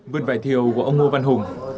vườn vải thiều của ông ngô văn hùng